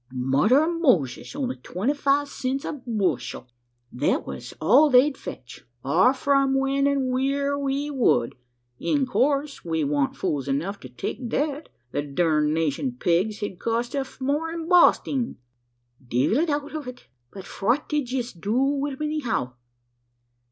"Mother ov Moses! only twenty five cents a bushel!" "Thet was all they'd fetch offer 'em when an' wheer we would. In coorse, we wan't fools enough to take thet the dernationed pegs hed cost us more in Bosting!" "Divil a doubt ov it? But fwhat did yez do wid 'em, anyhow?"